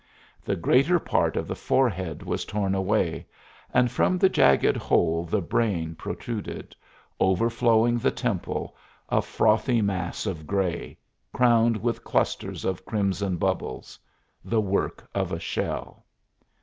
The greater part of the forehead was torn away, and from the jagged hole the brain protruded, overflowing the temple, a frothy mass of gray, crowned with clusters of crimson bubbles the work of a shell.